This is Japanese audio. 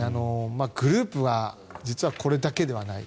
グループは実はこれだけではない。